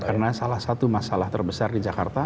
karena salah satu masalah terbesar di jakarta